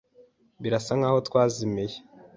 Birasa nkaho twazimiye.